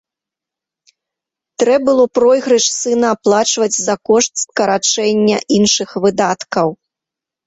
Трэ было пройгрыш сына аплачваць за кошт скарачэння іншых выдаткаў.